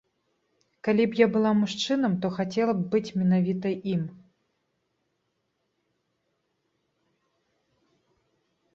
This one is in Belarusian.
Калі б я была мужчынам, то хацела б быць менавіта ім.